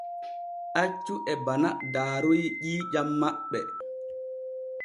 Accu e bana daaroy ƴiiƴam maɓɓe.